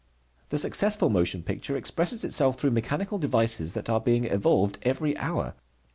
The successful motion picture expresses itself through mechanical devices that are being evolved every hour.